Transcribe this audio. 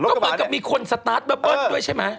ก็เหมือนกับมีคนสตาร์ทเบอร์เบิ้ลด้วยใช่ไหม